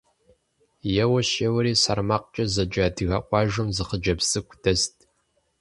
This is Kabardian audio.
Еуэщ-еуэри СэрмакъкӀэ зэджэ адыгэ къуажэм зы хъыджэбз цӀыкӀу дэст.